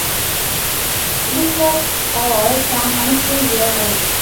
This was all done on a three-year lease.